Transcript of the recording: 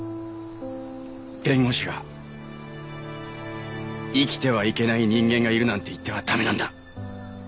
弁護士が生きてはいけない人間がいるなんて言っては駄目なんだ。